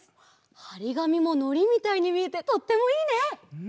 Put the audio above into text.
はりがみものりみたいにみえてとってもいいね！